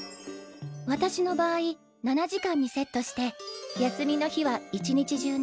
私の場合７時間にセットして休みの日は一日中ね